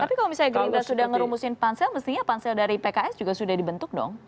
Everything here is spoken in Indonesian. tapi kalau misalnya gerindra sudah ngerumusin pansel mestinya pansel dari pks juga sudah dibentuk dong